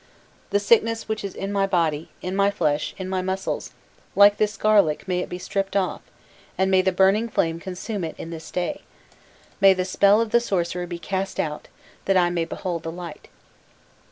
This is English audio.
The sickness which is in my body, in my flesh, in my muscles, like this garlic may it be stripped off, and may the burning flame consume it in this day; may the spell of the sorcerer be cast out, that I may behold the light!"